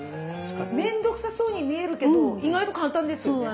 めんどくさそうに見えるけど意外と簡単ですよね。